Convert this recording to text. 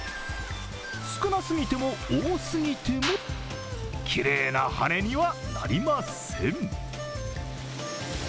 少なすぎても、多すぎても、きれいな羽根にはなりません。